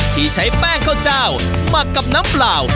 ที่ใช้แป้งข้าวเจ้าหมักกับน้ำเปล่า